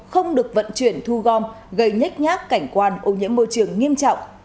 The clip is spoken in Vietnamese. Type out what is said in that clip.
không được vận chuyển thu gom gây nhách nhác cảnh quan ô nhiễm môi trường nghiêm trọng